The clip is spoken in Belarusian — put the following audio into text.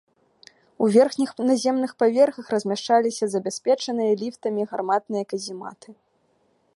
У верхніх наземных паверхах размяшчаліся забяспечаныя ліфтамі гарматныя казематы.